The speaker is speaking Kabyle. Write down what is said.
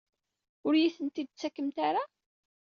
Ur iyi-ten-id-tettakemt ara?